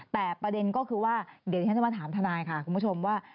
แต่ประเด็นก็คือว่าเดี๋ยวที่ฉันจะมาถามทนายค่ะคุณผู้ชมว่า